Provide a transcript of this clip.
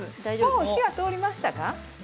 火が通りましたか？